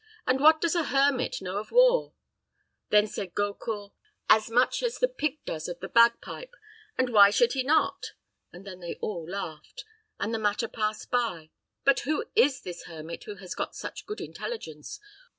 and what does a hermit know of war?' Then said Gaucourt, 'As much as the pig does of the bagpipe; and why should he not?' and then they all laughed, and the matter passed by. But who is this hermit who has got such good intelligence?